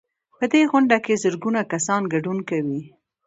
په دې غونډه کې زرګونه کسان ګډون کوي.